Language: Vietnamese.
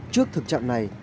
trước thực trạng này